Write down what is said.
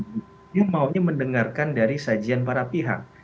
dia maunya mendengarkan dari sajian para pihak